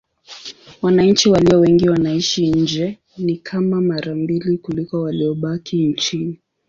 Wananchi walio wengi wanaishi nje: ni kama mara mbili kuliko waliobaki nchini.